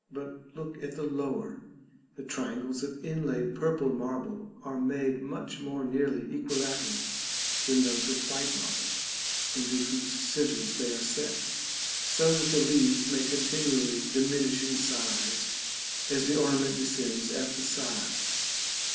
But look at the lower: the triangles of inlaid purple marble are made much more nearly equilateral than those of white marble, into whose centres they are set, so that the leaves may continually diminish in size as the ornament descends at the sides.